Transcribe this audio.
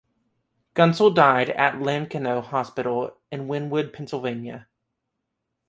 Gunsel died at Lankenau Hospital in Wynnewood, Pennsylvania.